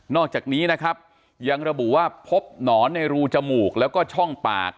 อกจากนี้นะครับยังระบุว่าพบหนอนในรูจมูกแล้วก็ช่องปาก